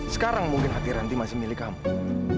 sekarang mungkin hati ranti masih milih kamu